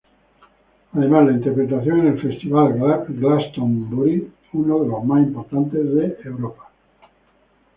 Además, la interpretaron en el festival Glastonbury, uno de los más importantes de Europa.